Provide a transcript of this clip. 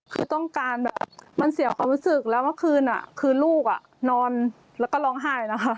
คือต้องการแบบมันเสียความรู้สึกแล้วเมื่อคืนคือลูกนอนแล้วก็ร้องไห้นะคะ